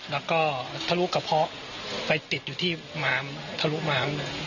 แล้วก็ทะลูกระเพาะไปติดอยู่ที่ทะลูมาม